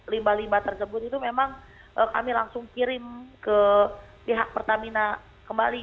limbah limbah tersebut itu memang kami langsung kirim ke pihak pertamina kembali